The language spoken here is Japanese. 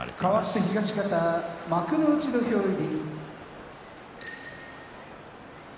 かわって東方幕内土俵入り。